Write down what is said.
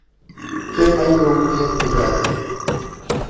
پێم عهیبه و پێم ئیراده